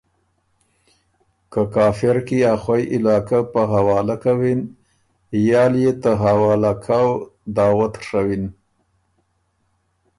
که کافر کی ا خوئ علاقه په حوالۀ کَوِن یا ليې ته حواله کؤ دعوت ڒوین۔